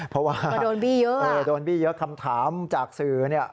เพราะว่าโดนบี้เยอะคำถามจากสื่อเนี่ย